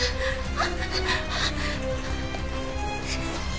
あっ！